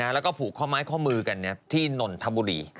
แล้วก็ผูกข้อไม้ข้อมือกันที่นนทบุรี